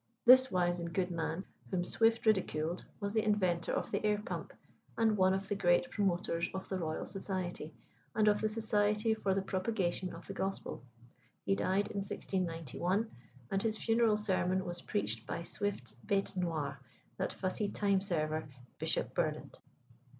This wise and good man, whom Swift ridiculed, was the inventor of the air pump, and one of the great promoters of the Royal Society and of the Society for the Propagation of the Gospel. He died in 1691, and his funeral sermon was preached by Swift's bête noir, that fussy time server, Bishop Burnet.